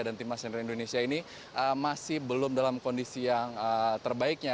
dan timnas senior indonesia ini masih belum dalam kondisi yang terbaiknya